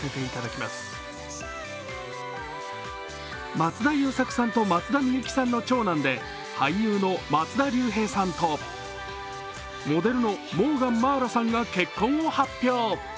松田優作さんと美由紀さんの長男で俳優の松田龍平さんとモデルのモーガン茉愛羅さんが結婚を発表。